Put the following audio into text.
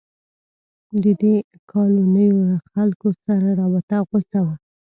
د دې کالونیو له خلکو سره رابطه غوڅه وه.